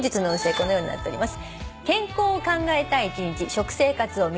このようになっております。